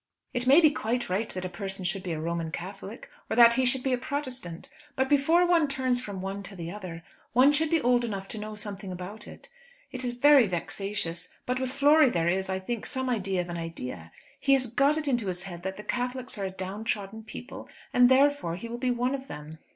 It may be quite right that a person should be a Roman Catholic or that he should be a Protestant; but before one turns from one to the other, one should be old enough to know something about it. It is very vexatious; but with Flory there is, I think, some idea of an idea. He has got it into his head that the Catholics are a downtrodden people, and therefore he will be one of them."